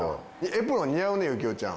エプロン似合うね行雄ちゃん。